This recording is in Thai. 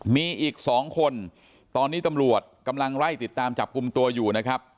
มีอีก๒คนตอนนี้ตำรวจกำลังไล่ติดตามจับกลุ่มตัวอยู่นะครับ